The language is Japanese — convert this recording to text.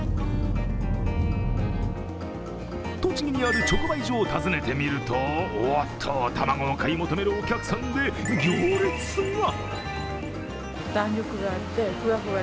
栃木にある直売所を訪ねてみると、おっと、卵を買い求めるお客さんで行列が。